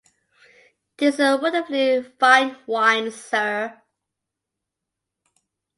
This is wonderfully fine wine, sir!